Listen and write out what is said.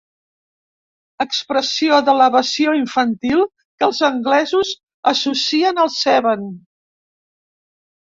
Expressió d'elevació infantil que els anglesos associen al Seven.